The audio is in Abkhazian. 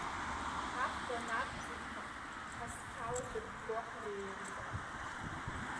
Ҳаӷба надҵит ҳәа, асқьала зырбго ҳреиуам, дад.